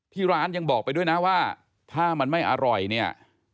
ที่ร้านยังบอกไปด้วยนะว่าถ้ามันไม่อร่อยเนี่ย